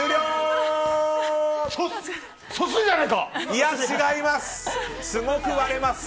いや、違います！